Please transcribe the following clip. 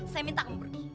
saya minta kamu pergi